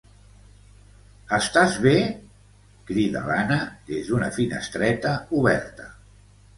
Estàs bé? —crida l'Anna des d'una finestreta oberta.